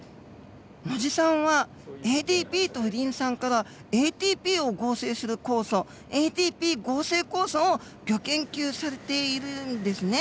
野地さんはＡＤＰとリン酸からＡＴＰを合成する酵素ＡＴＰ合成酵素をギョ研究されているんですね。